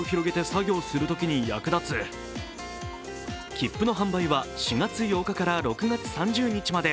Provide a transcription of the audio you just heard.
切符の販売は４月８日から６月３０日まで。